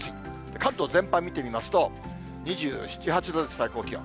関東全般見てみますと、２７、８度です、最高気温。